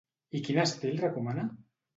I quin estil recomana?